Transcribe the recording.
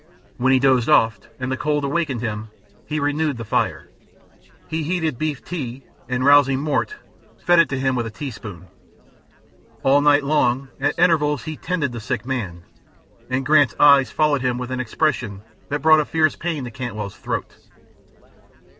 When he dozed off and the cold awakened him, he renewed the fire; he heated beef tea, and, rousing Mort, fed it to him with a teaspoon. All night long, at intervals, he tended the sick man, and Grant's eyes followed him with an expression that brought a fierce pain to Cantwell's throat.